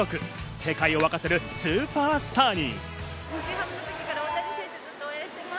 世界を沸かせるスーパースターに。